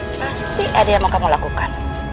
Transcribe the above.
pasti ada yang mau kamu lakukan